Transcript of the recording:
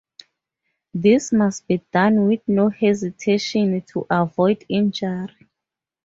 This must be done with no hesitation, to avoid injury.